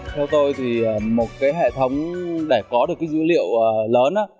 theo tôi thì một hệ thống để có được dữ liệu lớn